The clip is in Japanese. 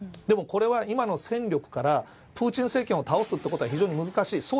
でもこれは今の戦力からプーチン政権を倒すのは非常に難しい。